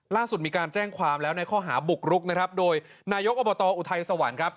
ล่าสุดมีการแจ้งความแล้วในข้อหาบุกรุกนะครับโดยนายกอบตอุทัยสวรรค์ครับ